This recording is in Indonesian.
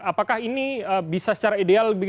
apakah ini bisa secara ideal